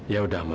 ya sudah ma